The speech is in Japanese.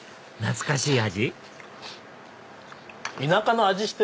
懐かしい味？